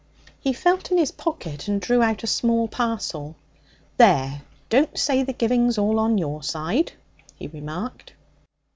He felt in his pocket and drew out a small parcel. 'There! Don't say the giving's all on your side,' he remarked.